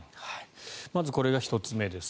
まず、これが１つ目です。